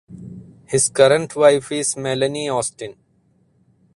His current wife is Melanie Austin.